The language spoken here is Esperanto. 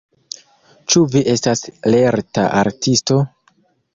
Ĉu vi estas lerta artisto?